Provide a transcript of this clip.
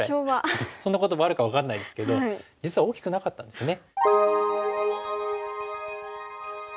そんな言葉あるか分かんないですけど実は大きくなかったんですね。